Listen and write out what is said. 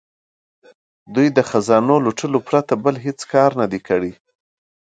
دوی د خزانو لوټلو پرته بل هیڅ کار نه دی کړی.